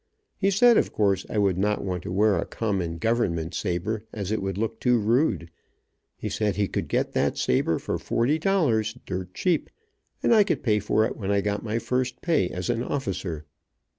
He said of course I would not want to wear a common government saber, as it would look too rude..He said he could get that saber for forty dollars, dirt cheap, and I could pay for it when I got my first pay as an officer.